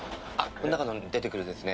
この中の出てくるですね。